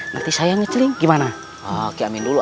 sekarang masing masing kiaman duluan yang mencaring